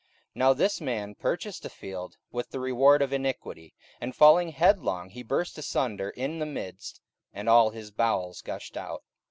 44:001:018 Now this man purchased a field with the reward of iniquity; and falling headlong, he burst asunder in the midst, and all his bowels gushed out.